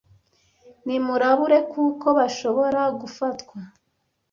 nimurabure kuko bashobora gufatwa